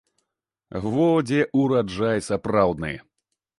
Во дзе ўраджай сапраўдны.